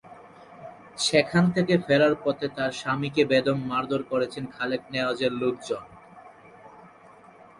সেখান থেকে ফেরার পথে তাঁর স্বামীকে বেদম মারধর করেছেন খালেক নেওয়াজের লোকজন।